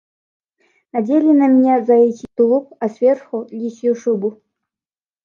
Надели на меня заячий тулуп, а сверху лисью шубу.